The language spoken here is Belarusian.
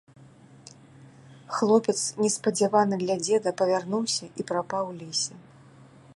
Хлопец неспадзявана для дзеда павярнуўся і прапаў у лесе.